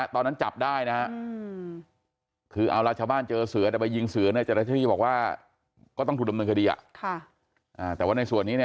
แต่ว่าในส่วนนี้